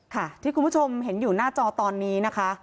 ค่ะที่คุณผู้ชมเห็นอยู่หน้าจอตอนนี้นะคะ